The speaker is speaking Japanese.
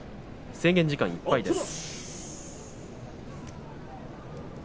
制限時間いっぱいです。